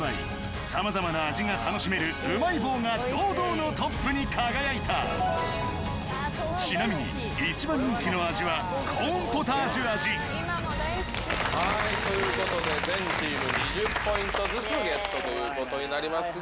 さまざまな味が楽しめるうまい棒が堂々のトップに輝いたちなみにはいということで全チーム２０ポイントずつゲットということになりますが。